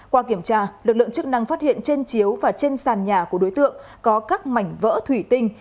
qua kiểm tra lực lượng chức năng phát hiện trên chiếu và trên sàn nhà của đối tượng có các mảnh vỡ thủy tinh